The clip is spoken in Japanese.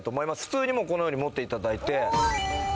普通にこのように持って頂いて。